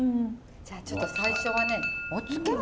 じゃあちょっと最初はお漬物。